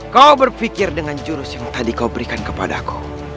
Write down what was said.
kau berpikir dengan jurus yang tadi kau berikan kepadaku